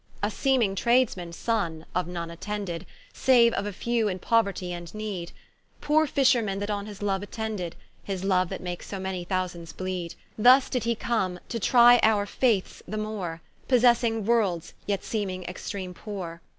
A seeming Trades mans sonne, of none attended, Saue of a few in pouertie and need; Poore Fishermen that on his loue attended, His loue that makes so many thousands bleed: Thus did he come, to trie our faiths the more, Possessing worlds, yet seeming extreame poore.